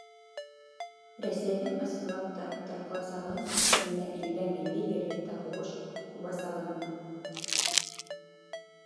Рәсәйҙең ысынлап та тарҡаласағынмы, әллә илдә милли ерлектә һуғыш ҡубасағынмы?